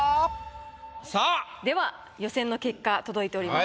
では予選の結果届いております。